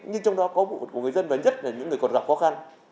nhưng trong đó có bụng của người dân lớn nhất là những người còn gặp khó khăn